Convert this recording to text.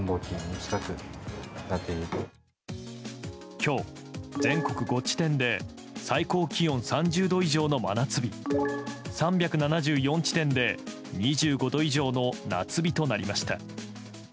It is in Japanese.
今日、全国５地点で最高気温３０度以上の真夏日３７４地点で２５度以上の夏日となりました。